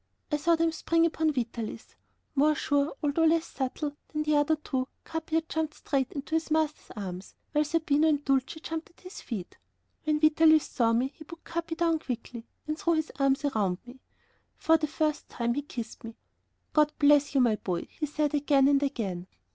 I saw them spring upon Vitalis. More sure, although less supple than the other two, Capi had jumped straight into his master's arms, while Zerbino and Dulcie jumped at his feet. When Vitalis saw me, he put Capi down quickly, and threw his arms around me. For the first time he kissed me. "God bless you, my boy," he said again, and again.